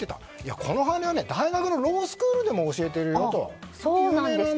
この判例は大学のロースクールでも教えているよと。